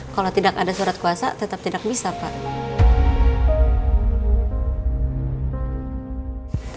kalau tidak ada surat kuasa tetap tidak bisa pak